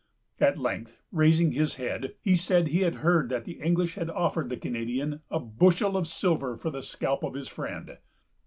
At length, raising his head, he said he had heard that the English had offered the Canadian a bushel of silver for the scalp of his friend.